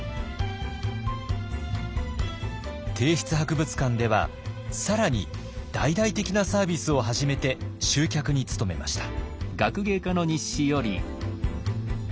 帝室博物館では更に大々的なサービスを始めて集客に努めました。